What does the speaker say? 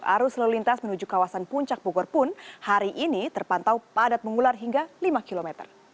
arus lalu lintas menuju kawasan puncak bogor pun hari ini terpantau padat mengular hingga lima km